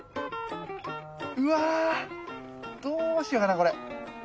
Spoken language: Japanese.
うわどうしようかなこれ。